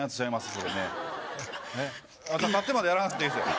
それねえあっ立ってまでやらなくていいですよ